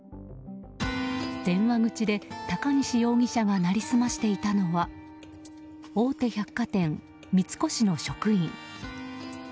電話口で高西容疑者が成り済ましていたのは大手百貨店、三越の職員。